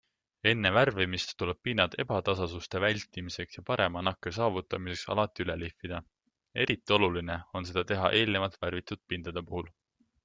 Enne värvimist tuleb pinnad ebatasasuste vältimiseks ja parema nakke saavutamiseks alati üle lihvida, eriti oluline on seda teha eelnevalt värvitud pindade puhul.